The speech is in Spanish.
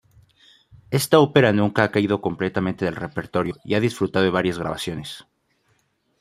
Esta ópera nunca ha caído completamente del repertorio y ha disfrutado de varias grabaciones.